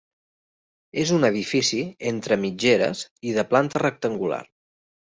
És un edifici entre mitgeres i de planta rectangular.